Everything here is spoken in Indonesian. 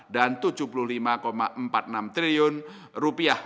dan tujuh puluh lima empat puluh enam triliun rupiah